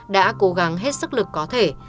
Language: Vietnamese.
đã cố gắng hết sức lực có thể